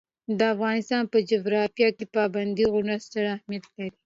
د افغانستان په جغرافیه کې پابندي غرونه ستر اهمیت لري.